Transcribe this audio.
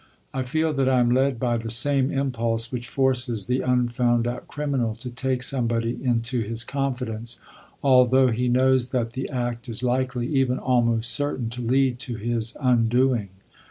I feel that I am led by the same impulse which forces the un found out criminal to take somebody into his confidence, although he knows that the act is likely, even almost certain, to lead to his undoing.